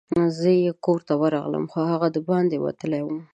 زه یې کور ته ورغلم، خو هغه دباندي وتلی وو.